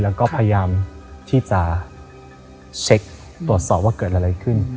แล้วก็พยายามที่จะเช็คตรวจสอบว่าเกิดอะไรขึ้น